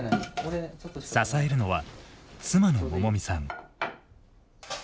支えるのは妻の百美さん。